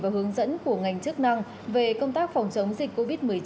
và hướng dẫn của ngành chức năng về công tác phòng chống dịch covid một mươi chín tại địa phương